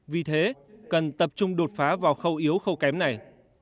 vì thế cần tập trung đột phá vào khâu yếu khâu kém này